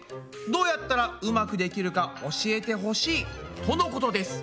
どうやったらうまくできるか教えてほしい」とのことです。